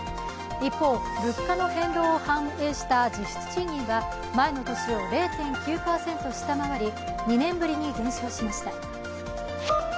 一方、物価の変動を反映した実質賃金が前の年を０．９％下回り２年ぶりに減少しました。